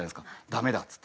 「ダメだ」っつって。